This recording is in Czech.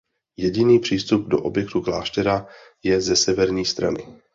Jediný přístup do objektu kláštera je ze severní strany.